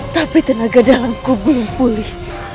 tapi tenaga dalamku belum pulih